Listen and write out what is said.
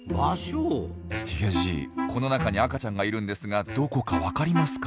ヒゲじいこの中に赤ちゃんがいるんですがどこか分かりますか？